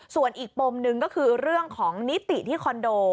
ส่วนอีกปมหนึ่งก็คือเรื่องของนิติที่คอนโด